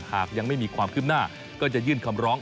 หากยังไม่มีความคืบหน้าก็จะยื่นคำร้อง